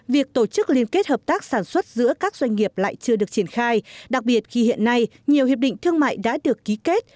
việc tổ chức liên kết hợp tác sản xuất giữa các doanh nghiệp lại chưa được triển khai đặc biệt khi hiện nay nhiều hiệp định thương mại đã được ký kết